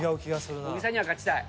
小木さんには勝ちたい。